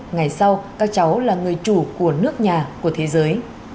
ngày sau các cháu là người chủ của nước nhà của thế giới